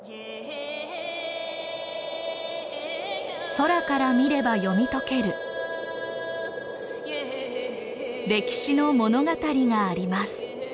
空から見れば読み解ける歴史の物語があります。